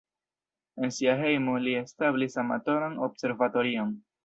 En sia hejmo li establis amatoran observatorion.